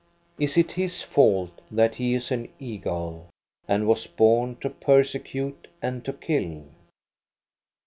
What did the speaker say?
Is it his fault that he is an eagle, and was born to per secute and to kill?